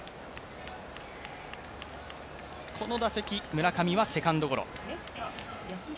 この打席、村上はセカンドゴロ。